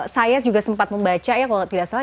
saya juga sempat membaca ya kalau tidak salah